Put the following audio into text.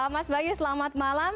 mas bayu selamat malam